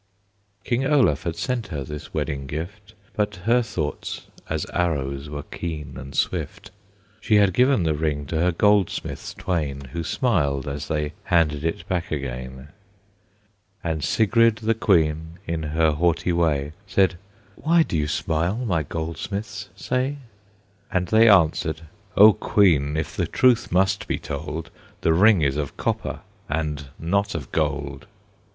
King Olaf had sent her this wedding gift, But her thoughts as arrows were keen and swift. She had given the ring to her goldsmiths twain, Who smiled, as they handed it back again. And Sigrid the Queen, in her haughty way, Said, "Why do you smile, my goldsmiths, say?" And they answered: "O Queen! if the truth must be told, The ring is of copper, and not of gold!"